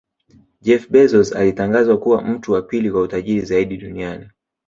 Jeff Bezos alitangazwa kuwa mtu wa pili kwa utajiri zaidi duniani